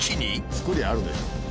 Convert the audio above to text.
作りゃあるでしょ。